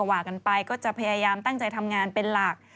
จริงจริงจริงจริง